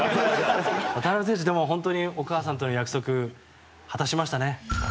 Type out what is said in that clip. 渡邊選手でも、本当にお母さんとの約束果たしましたね。